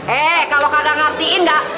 eh kalau kagak ngartiin gak